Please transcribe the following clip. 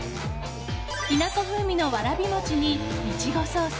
きな粉風味のわらび餅にイチゴソース